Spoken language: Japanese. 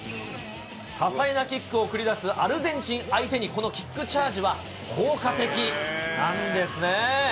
多彩なキックを繰り出すアルゼンチン相手に、このキックチャージは効果的なんですね。